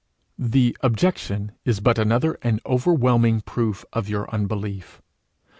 The objection is but another and overwhelming proof of your unbelief.